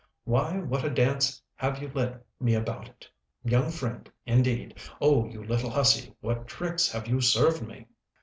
Why, what a dance have you led me about it! Young friend, indeed! O you little hussy, what tricks have you served me!"